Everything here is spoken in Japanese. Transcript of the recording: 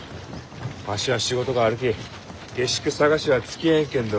わしは仕事があるき下宿探しはつきあえんけんど。